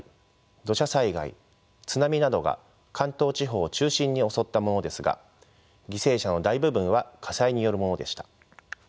土砂災害津波などが関東地方を中心に襲ったものですが犠牲者の大部分は火災によるものでした。